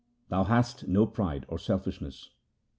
Thou hast no pride or selfishness.